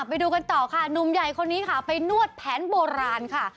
ไปดูกันต่อค่ะหนุ่มใหญ่คนนี้ค่ะไปนวดแผนโบราณค่ะ